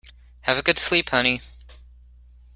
Have a good sleep honey.